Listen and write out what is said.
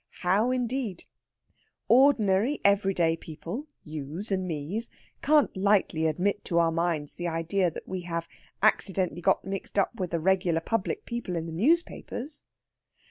How, indeed? Ordinary every day people you's and me's can't lightly admit to our minds the idea that we have actually got mixed up with the regular public people in the newspapers.